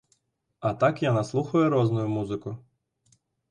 А так яна слухае розную музыку.